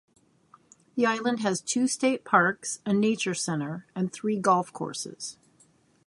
The island has two State Parks, a nature center, and three golf courses.